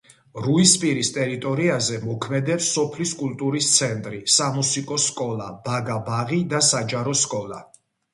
რუისპირის ტერიტორიაზე მოქმედებს სოფლის კულტურის ცენტრი, სამუსიკო სკოლა, ბაგა-ბაღი და საჯარო სკოლა.